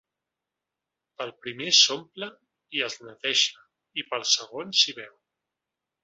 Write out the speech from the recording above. Pel primer s’omple i es neteja, i pel segon s’hi beu.